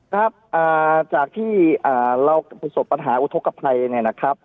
ครับจากที่เราประสบปัญหาอุทธกภัยเนี่ยนะครับ